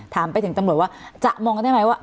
ถามไปถึงตำรวจว่าจะมองกันได้ไหมว่า